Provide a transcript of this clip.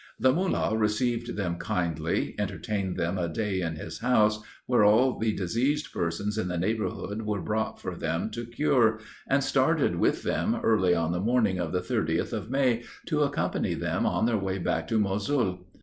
The Mullah received them kindly, entertained them a day in his house, where all the diseased persons in the neighborhood were brought for them to cure, and started with them early on the morning of the 30th of May, to accompany them on their way back to Mosul.